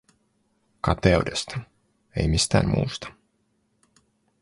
Kateudesta, ei mistään muusta.